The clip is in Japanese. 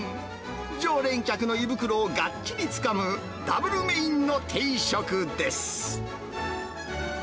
常連客の胃袋をがっちりつかむダブルメインの定食です。